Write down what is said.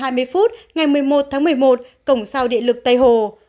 tám giờ hai mươi phút ngày một mươi một tháng một mươi một cổng sao địa lực tây hồ